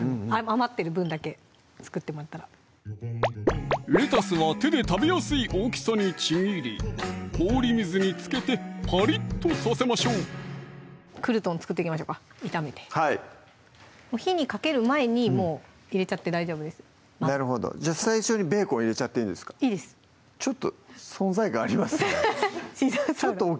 余ってる分だけ作ってもらったらレタスは手で食べやすい大きさにちぎり氷水につけてパリッとさせましょうクルトン作っていきましょうか炒めてはい火にかける前にもう入れちゃって大丈夫ですなるほどじゃあ最初にベーコン入れちゃっていいんですかいいですちょっと存在感ありますね